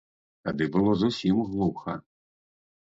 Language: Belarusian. Тады было зусім глуха.